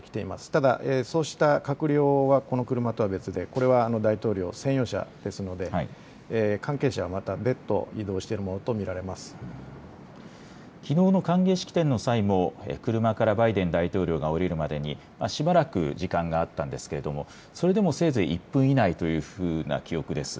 ただ、そうした閣僚はこの車とは別で、これは大統領専用車ですので、関係者はまた別途移動していきのうの歓迎式典の際も、車からバイデン大統領が降りるまでに、しばらく時間があったんですけれども、それでもせいぜい１分以内というふうな記憶です。